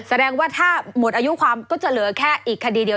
แสดงว่าถ้าหมดอายุความก็จะเหลือแค่อีกคดีเดียว